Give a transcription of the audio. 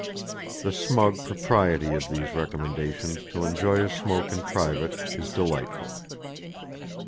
The smug propriety of these recommendations to enjoy a smoke in private is delightful.